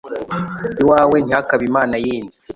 Iwawe ntihakabe imana yindi